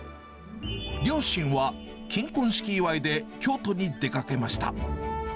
両親は金婚式祝いで京都に出かけました。